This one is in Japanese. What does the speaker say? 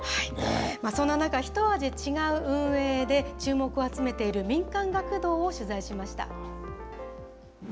そんな中、一味違う運営で、注目を集めている民間学童を取材しました。